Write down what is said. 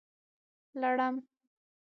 لړم